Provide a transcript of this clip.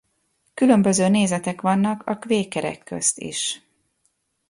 Különböző nézetek vannak a kvékerek közt is.